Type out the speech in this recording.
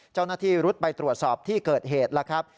เจ้าหน้าที่รุดไปตรวจสอบที่เกิดเหตุแล้วครับ